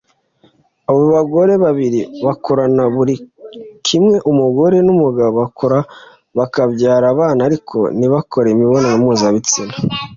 Abo bagore babiri bakorana buri kimwe umugore n’umugabo bakora bakabyara abana ariko ntibakore imibonano mpuzabitsina